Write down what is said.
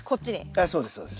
ええそうですそうです。